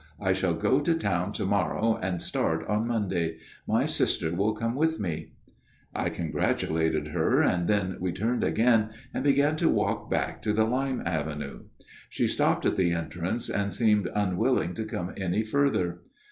I shall go to town to morrow, and start on Monday. My sister will come with me/ " I congratulated her ; and then we turned and began to walk back to the lime avenue. She stopped at the entrance, and seemed unwilling to come any further.